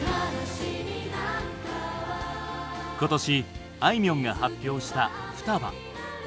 今年あいみょんが発表した「双葉」。